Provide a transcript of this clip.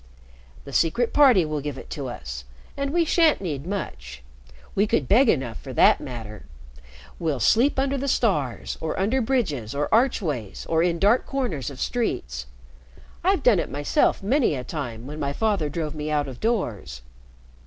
"The Secret Party will give it to us, and we sha'n't need much. We could beg enough, for that matter. We'll sleep under the stars, or under bridges, or archways, or in dark corners of streets. I've done it myself many a time when my father drove me out of doors.